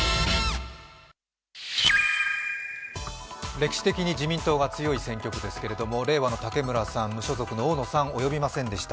歴史的に自民党が強い選挙区ですけれどもれいわの竹村さん、無所属の大野さんは及びませんでした。